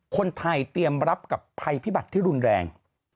คนไทยเตรียมรับกับภัยพิบัติที่รุนแรง